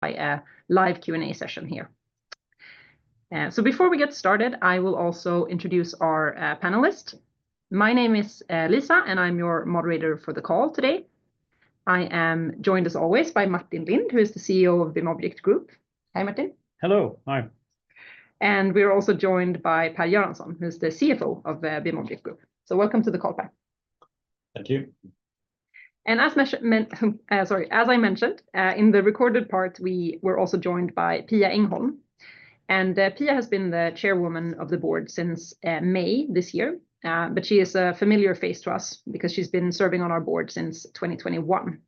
by a live Q&A session here, so before we get started, I will also introduce our panelist. My name is Lisa, and I'm your moderator for the call today. I am joined, as always, by Martin Lindh, who is the CEO of the BIMobject Group. Hi, Martin. Hello. Hi. We're also joined by Per Göransson, who's the CFO of the BIMobject Group. Welcome to the call, Per. Thank you. As I mentioned, in the recorded part, we were also joined by Pia Engholm, and Pia has been the Chairwoman of the Board since May this year. She is a familiar face to us because she's been serving on our board since 2021.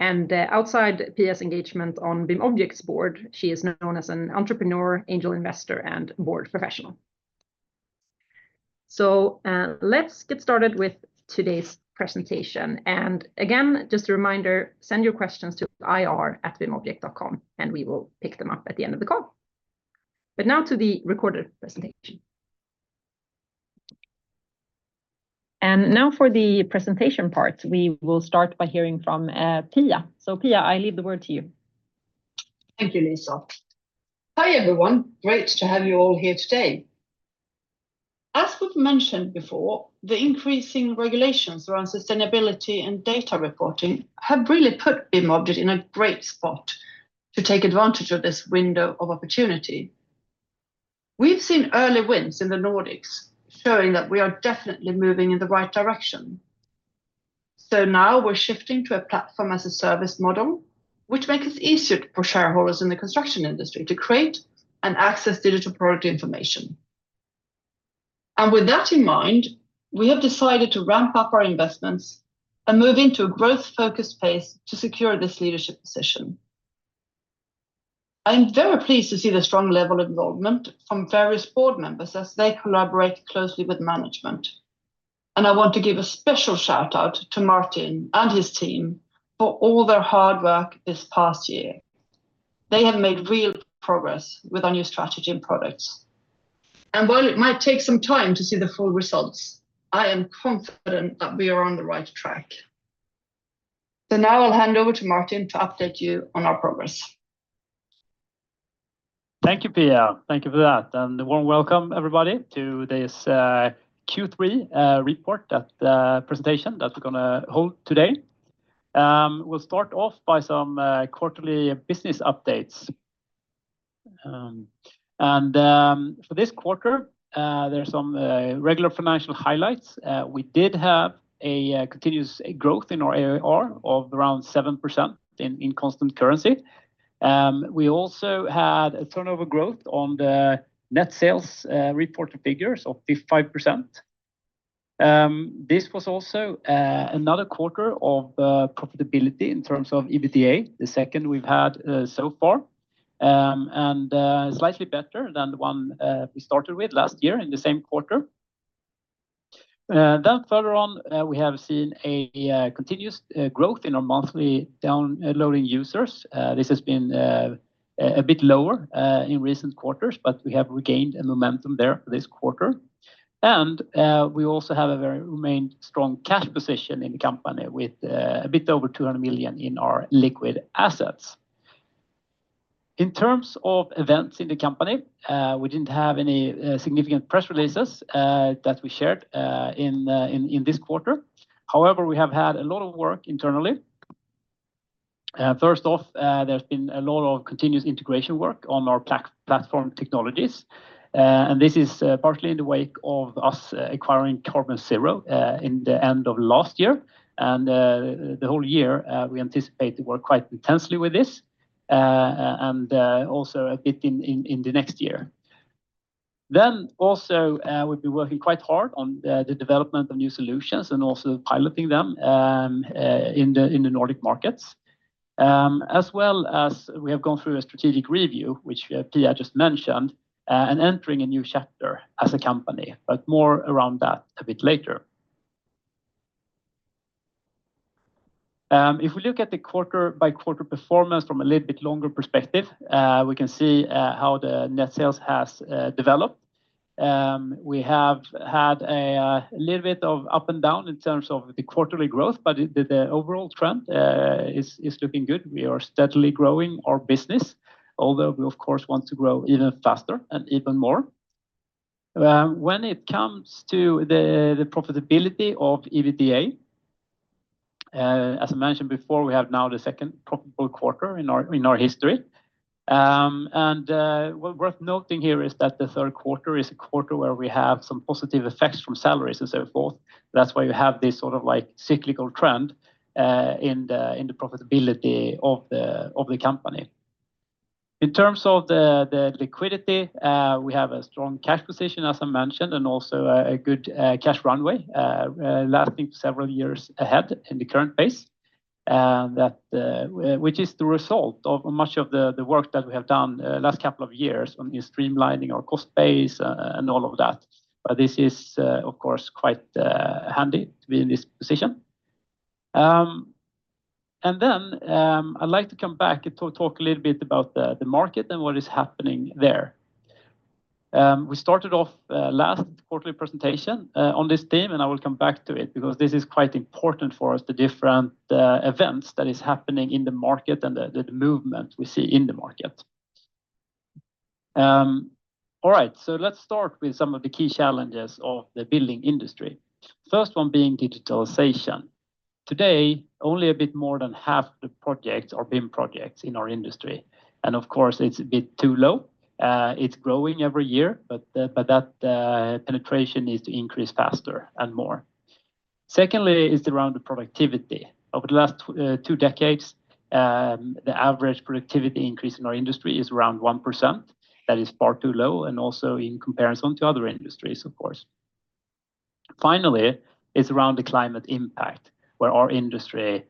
Outside Pia's engagement on BIMobject's board, she is known as an entrepreneur, angel investor, and board professional. Let's get started with today's presentation. Again, just a reminder, send your questions to ir@bimobject.com, and we will pick them up at the end of the call. Now to the recorded presentation. Now for the presentation part, we will start by hearing from Pia. Pia, I leave the word to you. Thank you, Lisa. Hi, everyone. Great to have you all here today. As we've mentioned before, the increasing regulations around sustainability and data reporting have really put BIMobject in a great spot to take advantage of this window of opportunity. We've seen early wins in the Nordics, showing that we are definitely moving in the right direction. So now we're shifting to a platform as a service model, which makes it easier for shareholders in the construction industry to create and access digital product information. And with that in mind, we have decided to ramp up our investments and move into a growth-focused pace to secure this leadership position. I'm very pleased to see the strong level of involvement from various board members as they collaborate closely with management, and I want to give a special shout-out to Martin and his team for all their hard work this past year. They have made real progress with our new strategy and products. And while it might take some time to see the full results, I am confident that we are on the right track. So now I'll hand over to Martin to update you on our progress. Thank you, Pia. Thank you for that, and a warm welcome, everybody, to this Q3 report that presentation that we're gonna hold today. We'll start off by some quarterly business updates. And for this quarter, there are some regular financial highlights. We did have a continuous growth in our ARR of around 7% in constant currency. We also had a turnover growth on the net sales reported figures of 55%. This was also another quarter of profitability in terms of EBITDA, the second we've had so far, and slightly better than the one we started with last year in the same quarter. Then further on, we have seen a continuous growth in our monthly downloading users. This has been a bit lower in recent quarters, but we have regained a momentum there this quarter. We also have a remained very strong cash position in the company with a bit over 200 million SEK in our liquid assets. In terms of events in the company, we didn't have any significant press releases that we shared in this quarter. However, we have had a lot of work internally. First off, there's been a lot of continuous integration work on our platform technologies, and this is partly in the wake of us acquiring CarbonZero in the end of last year. The whole year we anticipate to work quite intensely with this, and also a bit in the next year. Then also, we've been working quite hard on the development of new solutions and also piloting them in the Nordic markets. As well as we have gone through a strategic review, which Pia just mentioned, and entering a new chapter as a company, but more around that a bit later. If we look at the quarter-by-quarter performance from a little bit longer perspective, we can see how the net sales has developed. We have had a little bit of up and down in terms of the quarterly growth, but the overall trend is looking good. We are steadily growing our business, although we, of course, want to grow even faster and even more. When it comes to the profitability of EBITDA, as I mentioned before, we have now the second profitable quarter in our history. Well, worth noting here is that the third quarter is a quarter where we have some positive effects from salaries and so forth. That's why you have this sort of like cyclical trend in the profitability of the company. In terms of the liquidity, we have a strong cash position, as I mentioned, and also a good cash runway lasting several years ahead in the current pace, that which is the result of much of the work that we have done last couple of years on streamlining our cost base, and all of that. But this is, of course, quite handy to be in this position. And then I'd like to come back and to talk a little bit about the market and what is happening there. We started off last quarterly presentation on this theme, and I will come back to it, because this is quite important for us, the different events that is happening in the market and the movement we see in the market. All right, so let's start with some of the key challenges of the building industry. First one being digitalization. Today, only a bit more than half the projects are BIM projects in our industry, and of course, it's a bit too low. It's growing every year, but that penetration needs to increase faster and more. Secondly, is around the productivity. Over the last two decades, the average productivity increase in our industry is around 1%. That is far too low, and also in comparison to other industries, of course. Finally, it's around the climate impact, where our industry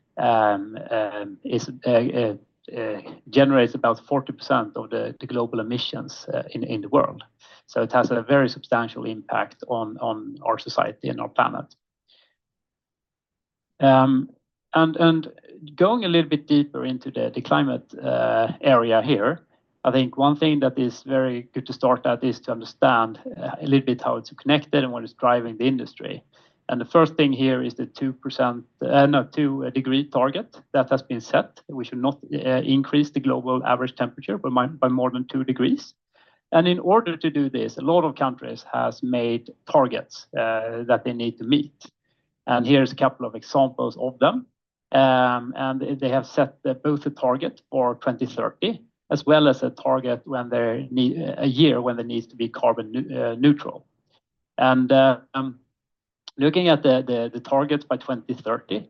generates about 40% of the global emissions in the world, so it has a very substantial impact on our society and our planet. And going a little bit deeper into the climate area here, I think one thing that is very good to start at is to understand a little bit how it's connected and what is driving the industry. And the first thing here is the two degree target that has been set. We should not increase the global average temperature by more than two degrees. And in order to do this, a lot of countries has made targets that they need to meet, and here's a couple of examples of them. And they have set both a target for 2030, as well as a target when they need a year when there needs to be carbon neutral. And looking at the targets by 2030,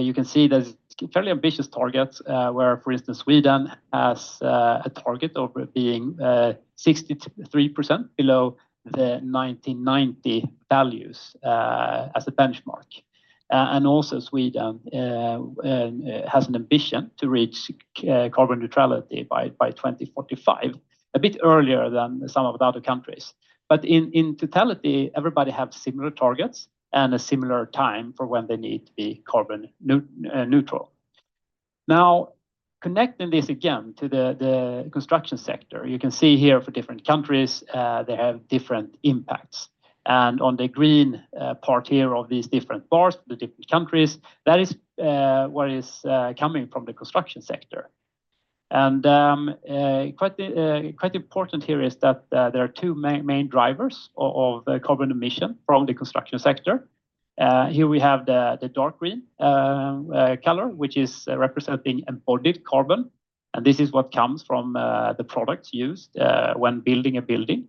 you can see there's fairly ambitious targets where, for instance, Sweden has a target of it being 63% below the 1990 values as a benchmark. And also Sweden has an ambition to reach carbon neutrality by 2045, a bit earlier than some of the other countries. But in totality, everybody have similar targets and a similar time for when they need to be carbon neutral. Now, connecting this again to the construction sector, you can see here for different countries, they have different impacts. And on the green part here of these different bars, the different countries, that is what is coming from the construction sector. And quite important here is that there are two main drivers of the carbon emission from the construction sector. Here we have the dark green color, which is representing embodied carbon, and this is what comes from the products used when building a building.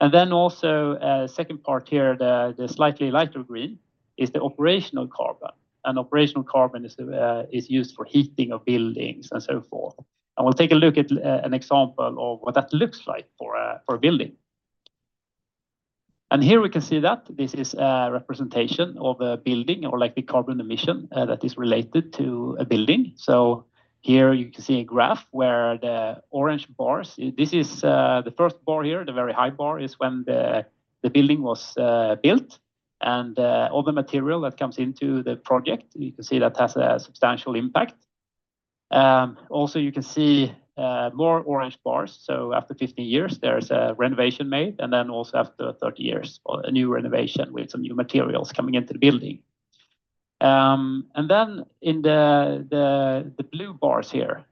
And then also, second part here, the slightly lighter green is the operational carbon, and operational carbon is used for heating of buildings and so forth. And we'll take a look at an example of what that looks like for a building. And here we can see that this is a representation of a building or like the carbon emission that is related to a building. So here you can see a graph where the orange bars, this is the first bar here, the very high bar, is when the building was built. And all the material that comes into the project, you can see that has a substantial impact. Also, you can see more orange bars, so after 15 years, there's a renovation made, and then also after 30 years, a new renovation with some new materials coming into the building. And then in the blue bars here,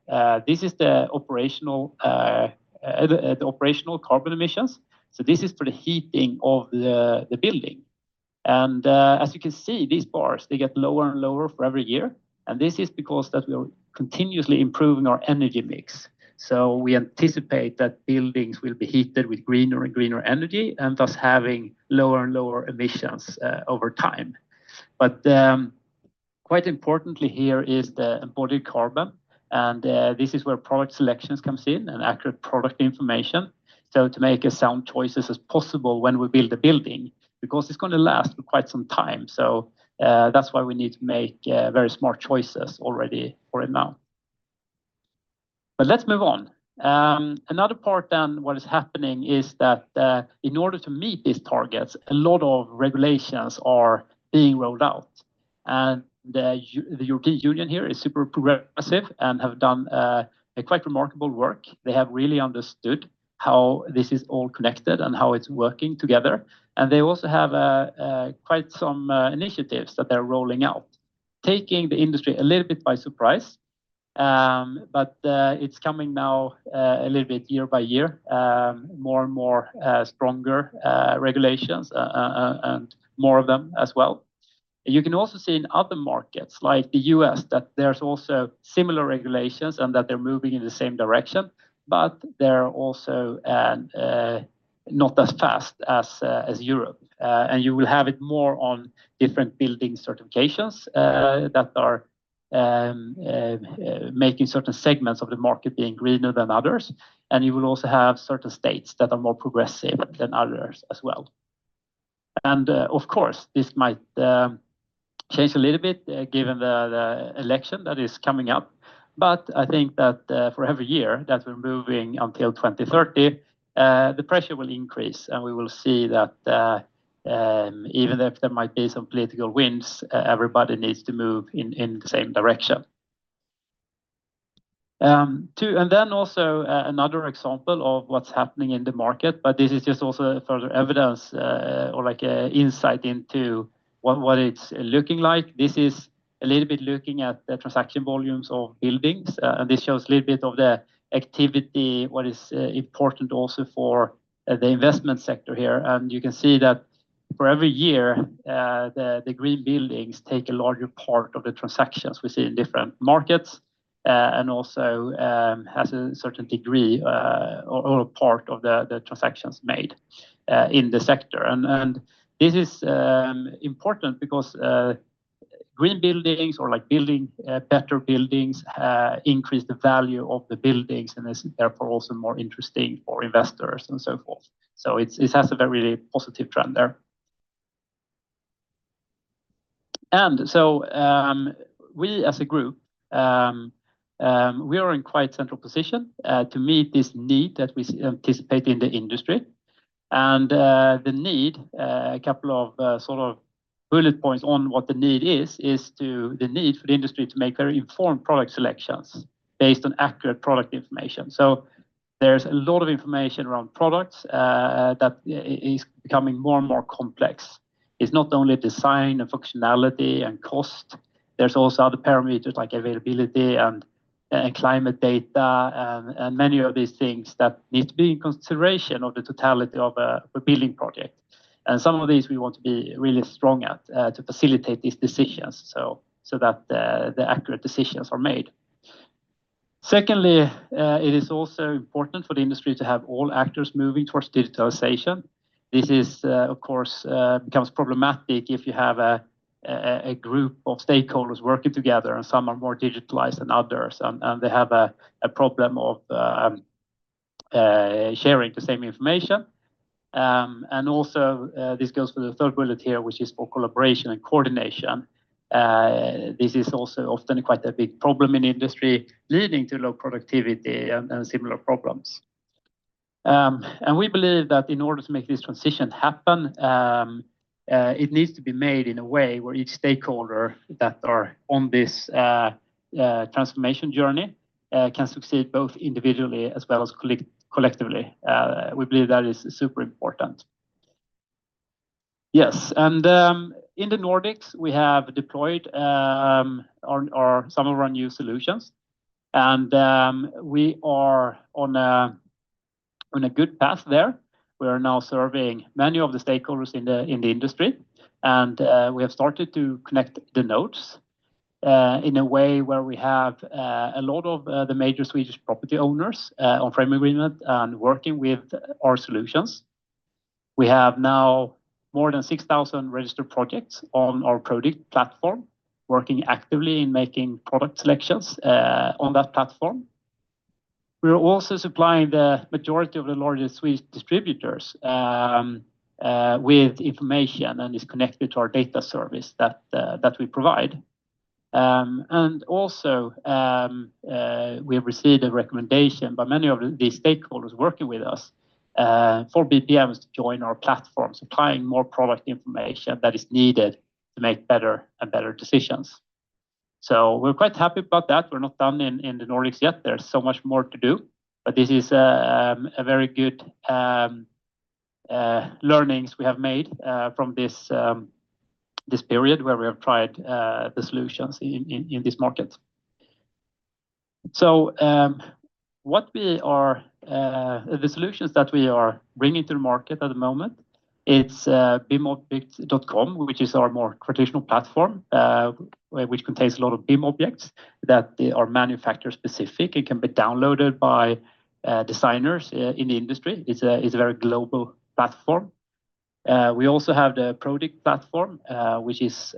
this is the operational carbon emissions, so this is for the heating of the building. And as you can see, these bars, they get lower and lower for every year, and this is because that we are continuously improving our energy mix. So we anticipate that buildings will be heated with greener and greener energy, and thus having lower and lower emissions over time. But, quite importantly here is the embodied carbon, and, this is where product selections comes in and accurate product information, so to make as sound choices as possible when we build a building, because it's going to last for quite some time. So, that's why we need to make, very smart choices already for right now. But let's move on. Another part then what is happening is that, in order to meet these targets, a lot of regulations are being rolled out. And the European Union here is super progressive and have done, a quite remarkable work. They have really understood how this is all connected and how it's working together, and they also have, quite some, initiatives that they're rolling out, taking the industry a little bit by surprise. But it's coming now a little bit year-by-year, more and more stronger regulations and more of them as well. You can also see in other markets, like the U.S., that there's also similar regulations and that they're moving in the same direction, but they're also not as fast as Europe. And you will have it more on different building certifications that are making certain segments of the market being greener than others, and you will also have certain states that are more progressive than others as well. And of course, this might change a little bit given the election that is coming up. But I think that for every year that we're moving until 2030, the pressure will increase, and we will see that even if there might be some political winds, everybody needs to move in the same direction too, and then also another example of what's happening in the market, but this is just also further evidence or like an insight into what it's looking like. This is a little bit looking at the transaction volumes of buildings, and this shows a little bit of the activity what is important also for the investment sector here. You can see that for every year, the green buildings take a larger part of the transactions we see in different markets, and also has a certain degree, or a part of the transactions made in the sector. This is important because green buildings or like building better buildings increase the value of the buildings and is therefore also more interesting for investors and so forth. It has a very positive trend there. We as a group are in quite central position to meet this need that we see anticipate in the industry. The need, a couple of sort of bullet points on what the need is, is to the need for the industry to make very informed product selections based on accurate product information. So there's a lot of information around products that is becoming more and more complex. It's not only design and functionality and cost. There's also other parameters like availability and climate data and many of these things that need to be in consideration of the totality of a building project. And some of these we want to be really strong at to facilitate these decisions, so that the accurate decisions are made. Secondly, it is also important for the industry to have all actors moving towards digitalization. This is, of course, becomes problematic if you have a group of stakeholders working together, and some are more digitalized than others, and they have a problem of sharing the same information. And also, this goes for the third bullet here, which is for collaboration and coordination. This is also often quite a big problem in the industry, leading to low productivity and similar problems. And we believe that in order to make this transition happen, it needs to be made in a way where each stakeholder that are on this transformation journey can succeed both individually as well as collectively. We believe that is super important. Yes, and in the Nordics, we have deployed some of our new solutions. And, we are on a good path there. We are now serving many of the stakeholders in the industry, and we have started to connect the nodes in a way where we have a lot of the major Swedish property owners on frame agreement and working with our solutions. We have now more than 6,000 registered projects on our product platform, working actively in making product selections on that platform. We are also supplying the majority of the largest Swedish distributors with information, and is connected to our data service that we provide. And also, we have received a recommendation by many of the stakeholders working with us for BPMs to join our platform, supplying more product information that is needed to make better and better decisions. So we're quite happy about that. We're not done in the Nordics yet. There's so much more to do, but this is a very good learnings we have made from this period where we have tried the solutions in this market. So what we are the solutions that we are bringing to the market at the moment, it's bimobject.com, which is our more traditional platform, which contains a lot of BIM objects that are manufacturer-specific. It can be downloaded by designers in the industry. It's a very global platform. We also have the Product Platform, which is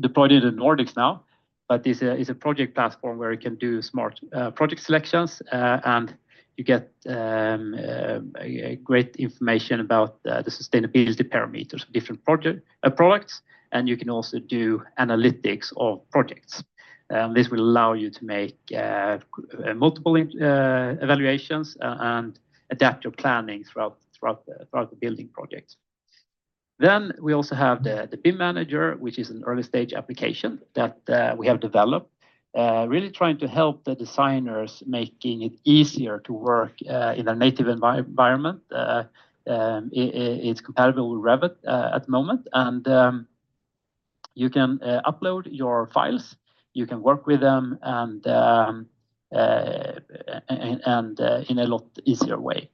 deployed in the Nordics now, but this is a project platform where you can do smart project selections, and you get a great information about the sustainability parameters of different project products, and you can also do analytics of projects. This will allow you to make multiple evaluations and adapt your planning throughout the building project. Then we also have the BIM Manager, which is an early-stage application that we have developed, really trying to help the designers, making it easier to work in their native environment. It's compatible with Revit at the moment, and you can upload your files, you can work with them, and in a lot easier way.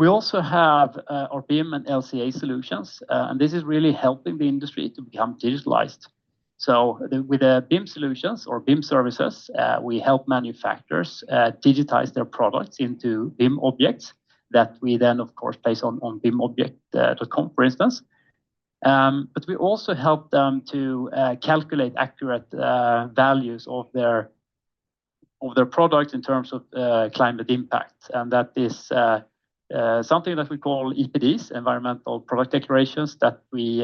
We also have our BIM and LCA solutions, and this is really helping the industry to become digitalized, so with BIM solutions or BIM services, we help manufacturers digitize their products into BIM objects that we then, of course, place on bimobject.com, for instance, but we also help them to calculate accurate values of their product in terms of climate impact, and that is something that we call EPDs, Environmental Product Declarations, that we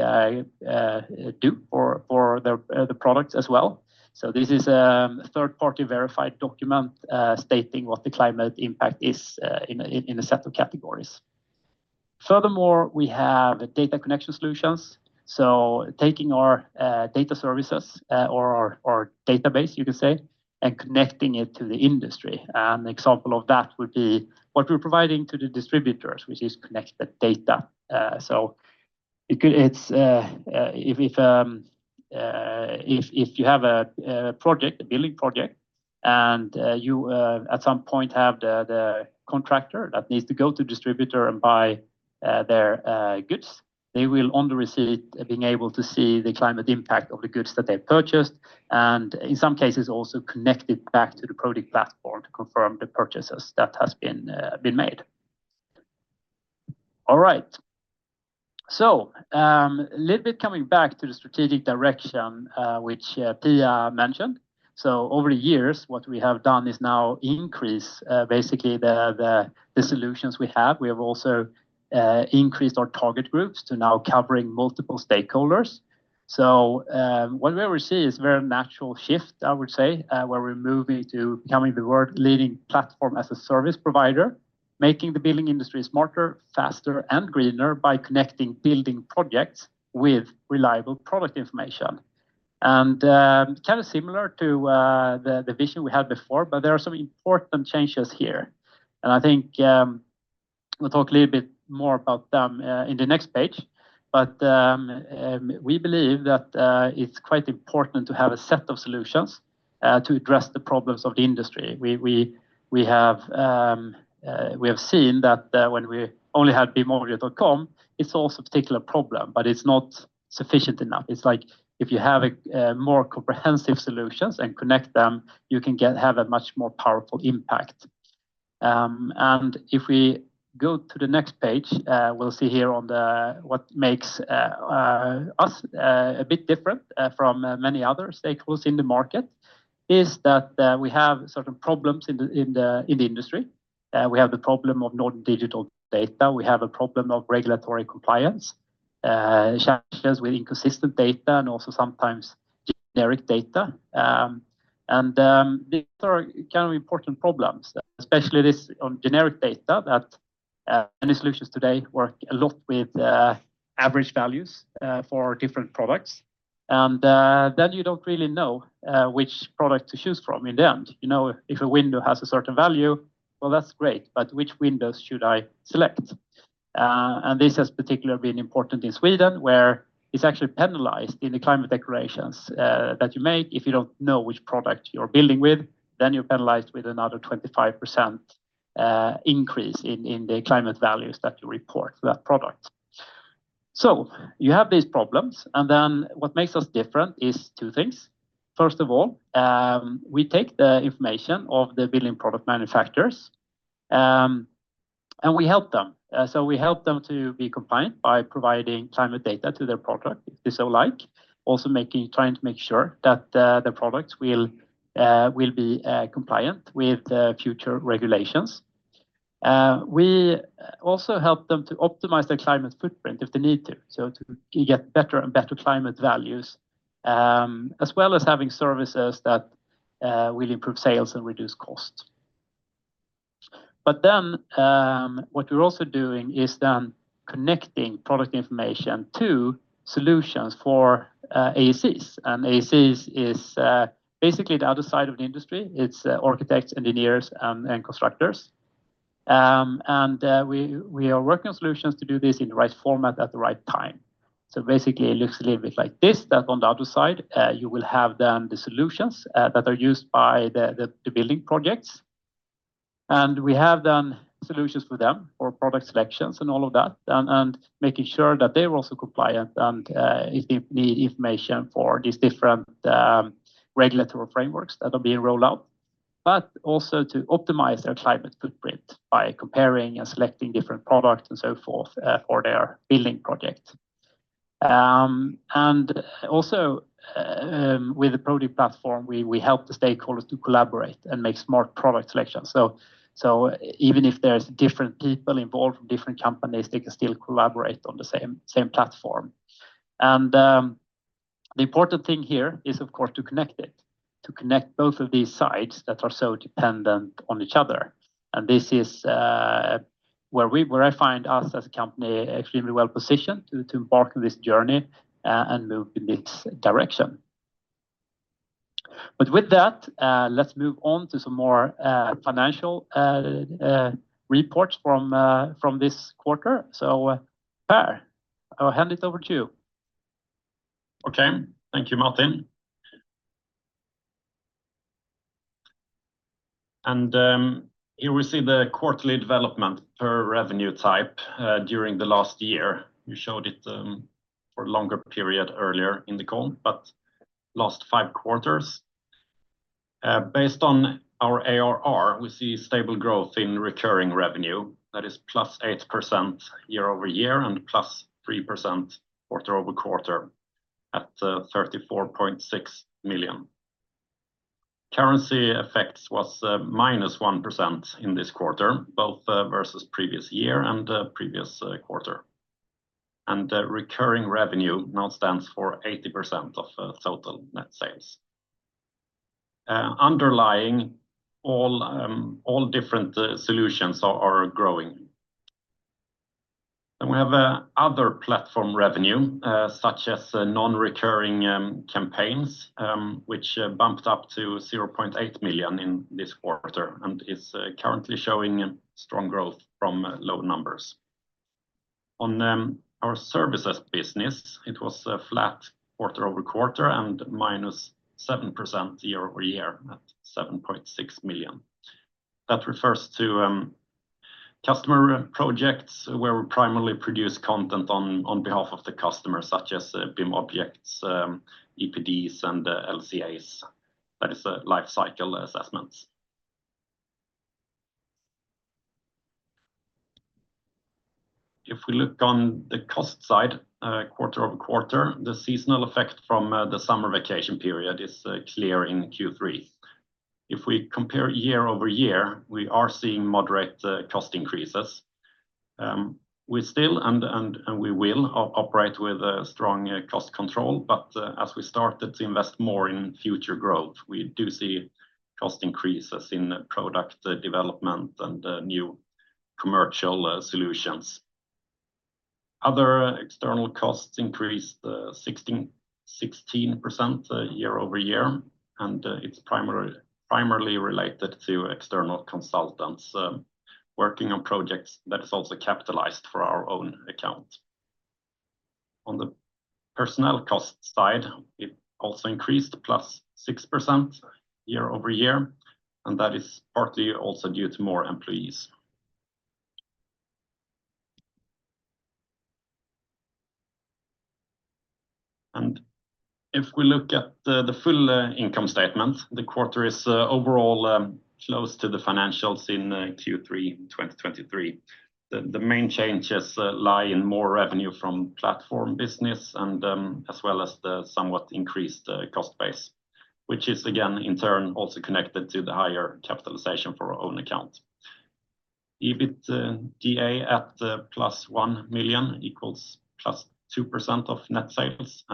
do for the products as well. So this is a third-party verified document stating what the climate impact is in a set of categories. Furthermore, we have data connection solutions. Taking our data services or our database, you could say, and connecting it to the industry. An example of that would be what we're providing to the distributors, which is connected data, so it could. It's if you have a project, a building project, and you at some point have the contractor that needs to go to distributor and buy their goods, they will, on the receipt, being able to see the climate impact of the goods that they've purchased, and in some cases, also connect it back to the product platform to confirm the purchases that has been made. All right. So, a little bit coming back to the strategic direction, which Pia mentioned. So over the years, what we have done is now increase basically the solutions we have. We have also increased our target groups to now covering multiple stakeholders. So, what we will see is very natural shift, I would say, where we're moving to becoming the world-leading platform as a service provider, making the building industry smarter, faster and greener by connecting building projects with reliable product information. And, kind of similar to the vision we had before, but there are some important changes here. And I think, we'll talk a little bit more about them in the next page. We believe that it's quite important to have a set of solutions to address the problems of the industry. We have seen that when we only had bimobject.com, it solves a particular problem, but it's not sufficient enough. It's like if you have a more comprehensive solutions and connect them, you can have a much more powerful impact. And if we go to the next page, we'll see here on the what makes us a bit different from many other stakeholders in the market, is that we have certain problems in the industry. We have the problem of non-digital data. We have a problem of regulatory compliance challenges with inconsistent data and also sometimes generic data. These are kind of important problems, especially this one on generic data, that many solutions today work a lot with average values for different products. And then you don't really know which product to choose from in the end. You know, if a window has a certain value, well, that's great, but which windows should I select? And this has particularly been important in Sweden, where it's actually penalized in the climate declarations that you make. If you don't know which product you're building with, then you're penalized with another 25% increase in the climate values that you report for that product. So you have these problems, and then what makes us different is two things. First of all, we take the information of the building product manufacturers, and we help them. So we help them to be compliant by providing climate data to their product, if they so like. Also trying to make sure that the products will be compliant with the future regulations. We also help them to optimize their climate footprint if they need to, so to get better and better climate values, as well as having services that will improve sales and reduce costs. But then, what we're also doing is then connecting product information to solutions for AECs. And AECs is basically the other side of the industry. It's architects, engineers, and constructors. And we are working on solutions to do this in the right format at the right time. So basically, it looks a little bit like this, that on the other side, you will have then the solutions that are used by the building projects. And we have then solutions for them or product selections and all of that, and making sure that they're also compliant and if they need information for these different regulatory frameworks that are being rolled out, but also to optimize their climate footprint by comparing and selecting different products and so forth for their building project. And also, with the product platform, we help the stakeholders to collaborate and make smart product selections. So even if there's different people involved from different companies, they can still collaborate on the same platform. And the important thing here is, of course, to connect it, to connect both of these sides that are so dependent on each other. And this is where I find us as a company extremely well positioned to embark on this journey and move in this direction. But with that, let's move on to some more financial reports from this quarter. So, Per, I'll hand it over to you. Okay. Thank you, Martin. And here we see the quarterly development per revenue type during the last year. We showed it for a longer period earlier in the call, but last five quarters. Based on our ARR, we see stable growth in recurring revenue that is plus 8% year-over-year and plus 3% quarter-over-quarter at 34.6 million. Currency effects was minus 1% in this quarter, both versus previous year and previous quarter. And the recurring revenue now stands for 80% of total net sales. Underlying all different solutions are growing. And we have other platform revenue such as non-recurring campaigns, which bumped up to 0.8 million in this quarter and is currently showing strong growth from low numbers. On our services business, it was flat quarter-over-quarter and -7% year-over-year, at 7.6 million. That refers to customer projects, where we primarily produce content on behalf of the customer, such as BIM objects, EPDs, and LCAs. That is life cycle assessments. If we look on the cost side, quarter-over-quarter, the seasonal effect from the summer vacation period is clear in Q3. If we compare year-over-year, we are seeing moderate cost increases. We still and we will operate with a strong cost control, but as we started to invest more in future growth, we do see cost increases in product development and new commercial solutions. Other external costs increased 16% year-over-year, and it's primarily related to external consultants working on projects that is also capitalized for our own account. On the personnel cost side, it also increased plus 6% year-over-year, and that is partly also due to more employees. And if we look at the full income statement, the quarter is overall close to the financials in Q3, 2023. The main changes lie in more revenue from platform business, and as well as the somewhat increased cost base, which is, again, in turn, also connected to the higher capitalization for our own account. EBITDA at +1 million = +2% of net sales,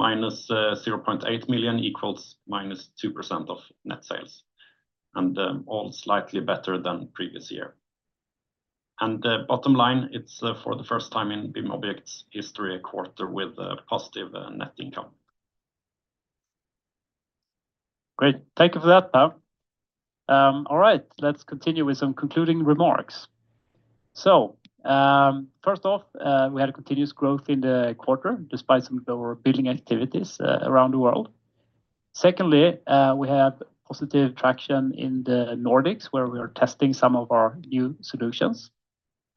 and EBITDA of -0.8 million = -2% of net sales, and all slightly better than previous year. And the bottom line, it's for the first time in BIMobject's history, a quarter with a positive net income. Great, thank you for that, Per. All right, let's continue with some concluding remarks. So, first off, we had a continuous growth in the quarter, despite some lower building activities around the world. Secondly, we have positive traction in the Nordics, where we are testing some of our new solutions.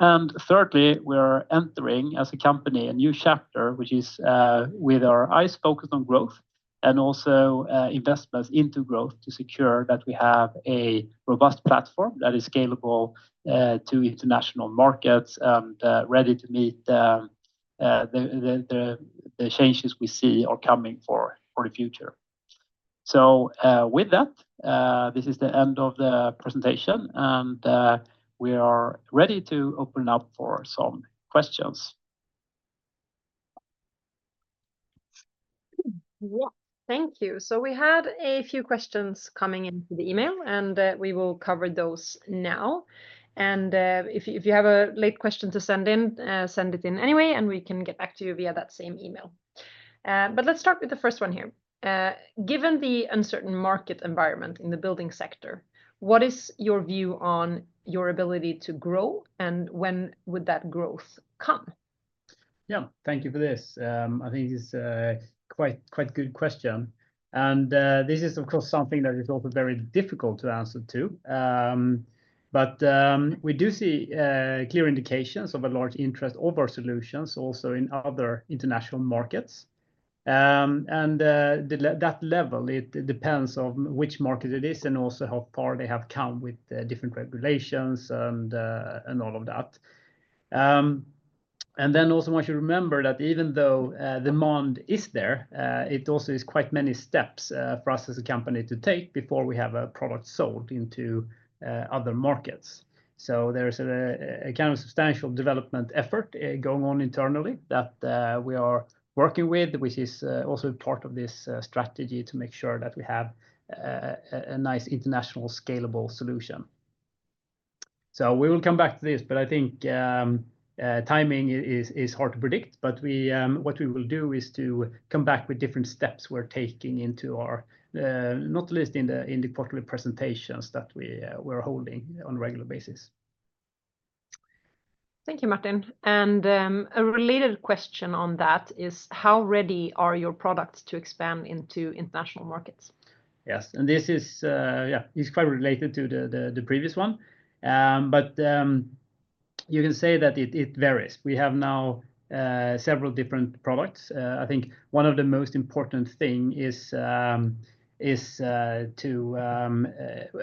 And thirdly, we are entering, as a company, a new chapter, which is with our eyes focused on growth, and also investments into growth, to secure that we have a robust platform that is scalable to international markets, and ready to meet the changes we see are coming for the future. So, with that, this is the end of the presentation, and we are ready to open up for some questions. Yeah, thank you. So we had a few questions coming in through the email, and we will cover those now. And if you have a late question to send in, send it in anyway, and we can get back to you via that same email. But let's start with the first one here. Given the uncertain market environment in the building sector, what is your view on your ability to grow, and when would that growth come? Yeah, thank you for this. I think it's a quite, quite good question, and this is, of course, something that is also very difficult to answer, too, but we do see clear indications of a large interest of our solutions, also in other international markets, and the level it depends on which market it is, and also how far they have come with the different regulations, and all of that, and then also one should remember that even though demand is there, it also is quite many steps for us, as a company, to take before we have a product sold into other markets. So there's a kind of substantial development effort going on internally that we are working with, which is also part of this strategy to make sure that we have a nice international scalable solution. So we will come back to this, but I think timing is hard to predict. But what we will do is to come back with different steps we're taking into our not least in the quarterly presentations that we're holding on a regular basis. Thank you, Martin. And, a related question on that is: How ready are your products to expand into international markets? Yes, and this is. Yeah, it's quite related to the previous one. But you can say that it varies. We have now several different products. I think one of the most important thing is I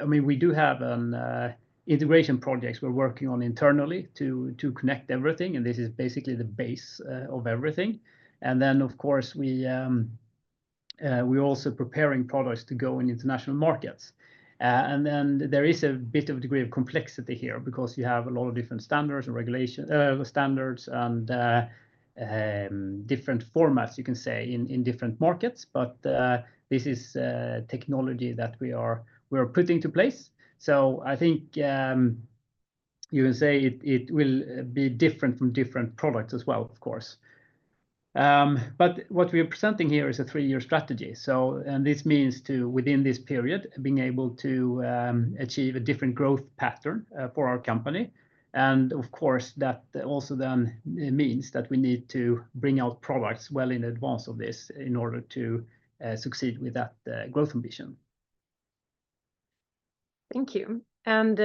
mean, we do have an integration projects we're working on internally to connect everything, and this is basically the base of everything. And then, of course, we're also preparing products to go in international markets. And then there is a bit of degree of complexity here, because you have a lot of different standards and regulations, and different formats, you can say, in different markets. But this is technology that we are putting in place. So I think you can say it, it will be different from different products as well, of course. But what we're presenting here is a three-year strategy, so. And this means to within this period being able to achieve a different growth pattern for our company. And of course, that also then means that we need to bring out products well in advance of this in order to succeed with that growth ambition. Thank you. And,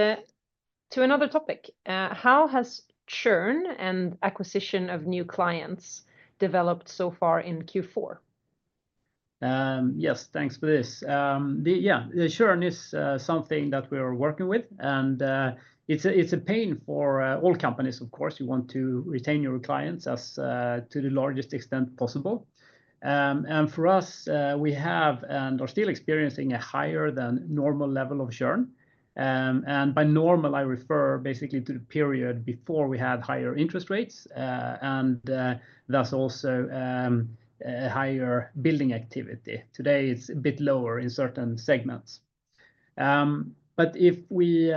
to another topic, how has churn and acquisition of new clients developed so far in Q4? Yes, thanks for this. Yeah, the churn is something that we are working with, and it's a pain for all companies, of course. You want to retain your clients as to the largest extent possible. For us, we have and are still experiencing a higher than normal level of churn. By normal, I refer basically to the period before we had higher interest rates and thus also higher borrowing activity. Today, it's a bit lower in certain segments. If we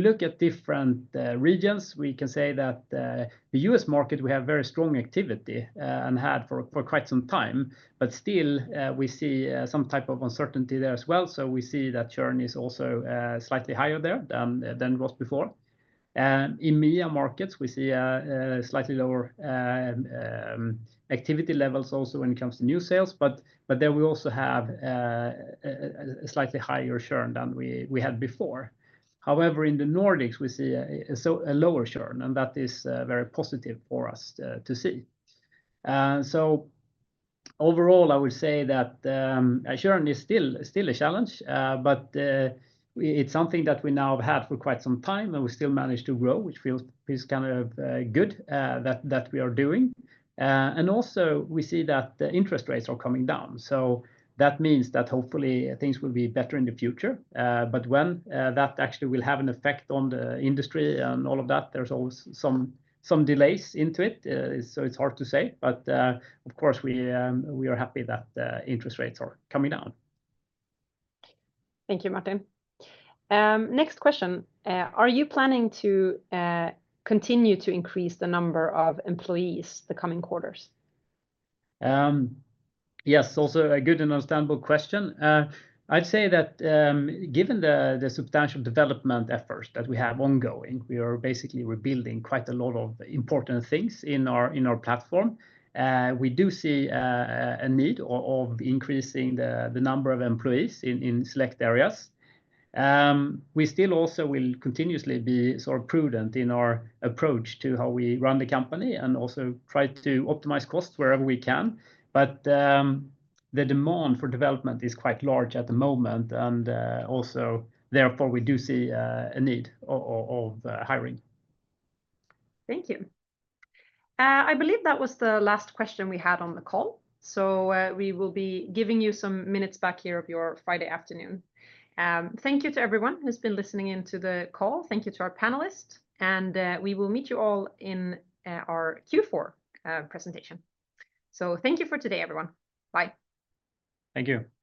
look at different regions, we can say that the US market, we have very strong activity and had for quite some time. Still, we see some type of uncertainty there as well, so we see that churn is also slightly higher there than it was before. In EMEA markets, we see a slightly lower activity levels also when it comes to new sales, but there we also have a slightly higher churn than we had before. However, in the Nordics, we see a lower churn, and that is very positive for us to see. Overall, I would say that churn is still a challenge, but it's something that we now have had for quite some time, and we still manage to grow, which feels kind of good that we are doing. and also, we see that the interest rates are coming down, so that means that hopefully things will be better in the future. But when that actually will have an effect on the industry and all of that, there's always some delays into it. So it's hard to say, but of course, we are happy that interest rates are coming down. Thank you, Martin. Next question, are you planning to continue to increase the number of employees the coming quarters? Yes, also a good and understandable question. I'd say that, given the substantial development efforts that we have ongoing, we are basically rebuilding quite a lot of important things in our platform. We do see a need of increasing the number of employees in select areas. We still also will continuously be sort of prudent in our approach to how we run the company and also try to optimize costs wherever we can. But, the demand for development is quite large at the moment, and also therefore, we do see a need of hiring. Thank you. I believe that was the last question we had on the call, so we will be giving you some minutes back here of your Friday afternoon. Thank you to everyone who's been listening in to the call. Thank you to our panelists, and we will meet you all in our Q4 presentation, so thank you for today, everyone. Bye. Thank you.